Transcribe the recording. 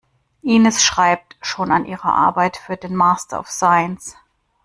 Ines schreibt schon an ihrer Arbeit für den Master of Science.